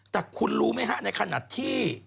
แต่คุณรู้ไหมฮะในขณะที่